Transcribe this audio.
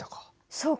そうか。